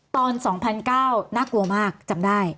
ตอน๒๙๐๐น่ากลัวมากจำได้